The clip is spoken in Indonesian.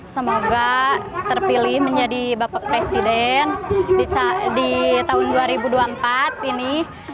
semoga terpilih menjadi bapak presiden di tahun dua ribu dua puluh empat ini